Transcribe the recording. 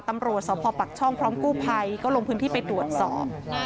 ตำรวจสพปักช่องพร้อมกู้ภัยก็ลงพื้นที่ไปตรวจสอบ